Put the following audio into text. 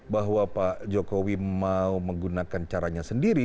bahwa pak jokowi mau menggunakan caranya sendiri